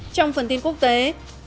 trong phần tin quốc gia